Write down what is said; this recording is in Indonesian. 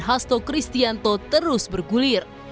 hasto kristianto terus bergulir